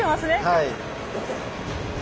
はい。